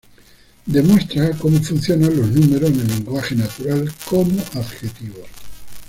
Demuestra cómo funcionan los números en el lenguaje natural como adjetivos.